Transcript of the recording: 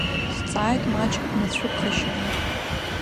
Дҵааит маҷк днацәыԥхашьаны.